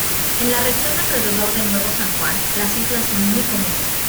En la región alrededor de Nuevo San Juan, las islas son muy comunes.